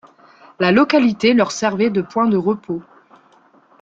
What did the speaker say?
La localité leur servait de point de repos.